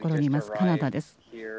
カナダです。